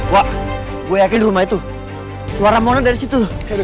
wak gue yakin di rumah itu suara mona dari situ